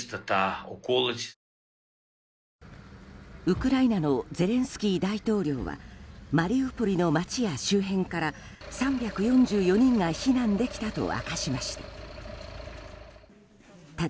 ウクライナのゼレンスキー大統領はマリウポリの街や周辺から３４４人が避難できたと明かしました。